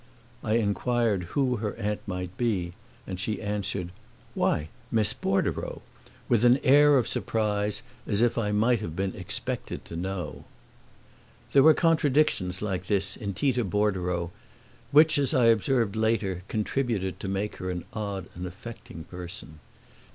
I inquired who her aunt might be and she answered, "Why, Miss Bordereau!" with an air of surprise, as if I might have been expected to know. There were contradictions like this in Tita Bordereau which, as I observed later, contributed to make her an odd and affecting person.